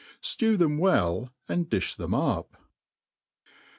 Stew them well, and dlQi them up.